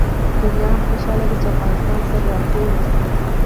دنیا هم خوشحاله ده چې افغانستان سره راټول نه شي.